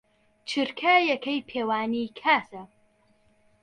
چرکە یەکەی پێوانی کاتە.